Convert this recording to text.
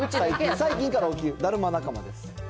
最近から、だるま仲間です。